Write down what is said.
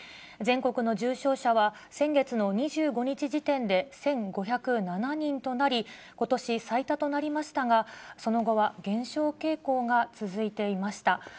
全国の重症者は、先月の２５日時点で１５０７人となり、ことし最多となりましたが、その後は減少傾向が続いていました。